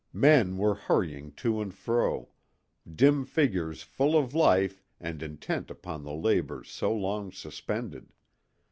Men were hurrying to and fro, dim figures full of life and intent upon the labors so long suspended.